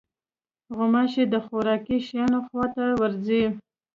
غوماشې د خوراکي شیانو خوا ته ورځي.